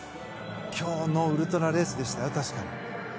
今日のウルトラレースでした。